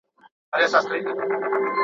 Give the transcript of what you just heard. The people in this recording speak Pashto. جهاني چي ما یې لار په سترګو فرش کړه!